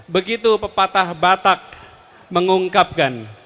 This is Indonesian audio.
begitu pepatah batak mengungkapkan